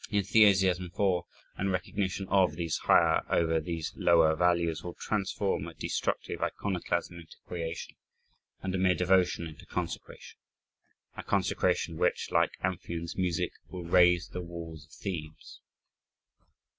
Enthusiasm for, and recognition of these higher over these lower values will transform a destructive iconoclasm into creation, and a mere devotion into consecration a consecration which, like Amphion's music, will raise the Walls of Thebes.